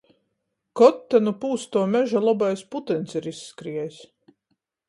Kod ta nu pūstuo meža lobais putyns ir izskriejs?